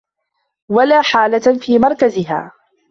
وَلَا حَالَّةً فِي مَرْكَزِهَا